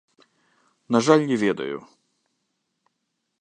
На жаль, не ведаю.